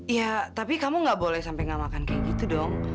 iya tapi kamu gak boleh sampai gak makan kayak gitu dong